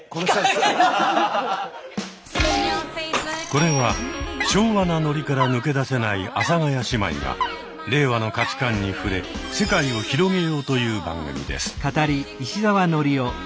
これは昭和なノリから抜け出せない阿佐ヶ谷姉妹が令和の価値観に触れ世界を広げようという番組です。